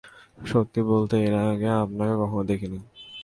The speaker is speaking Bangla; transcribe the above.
সত্যি বলতে এর আগে আপনাকে কখনো দেখিনি।